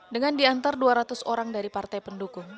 dengan diantar dua ratus orang dari partai pendukung